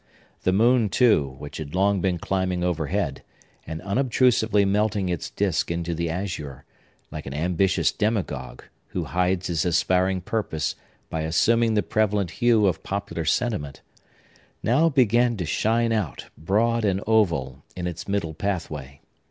The moon, too, which had long been climbing overhead, and unobtrusively melting its disk into the azure,—like an ambitious demagogue, who hides his aspiring purpose by assuming the prevalent hue of popular sentiment,—now began to shine out, broad and oval, in its middle pathway.